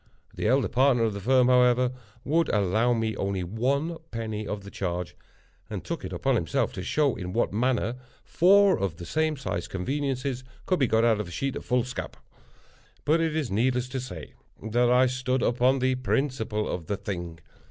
The elder partner of the firm, however, would allow me only one penny of the charge, and took it upon himself to show in what manner four of the same sized conveniences could be got out of a sheet of foolscap. But it is needless to say that I stood upon the principle of the thing.